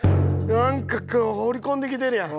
なんか放り込んできてるやん。